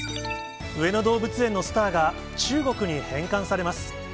上野動物園のスターが、中国に返還されます。